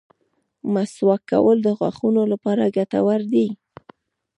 مسواک کول د غاښونو لپاره ګټور دي.